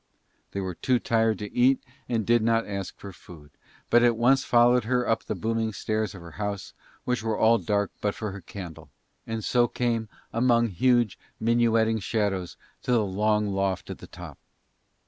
They were too tired to eat and did not ask for food, but at once followed her up the booming stairs of her house, which were all dark but for her candle, and so came among huge minuetting shadows to the long loft at the top.